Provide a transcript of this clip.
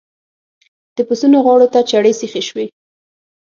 د پسونو غاړو ته چړې سيخې شوې.